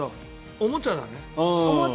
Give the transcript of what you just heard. おもちゃだね。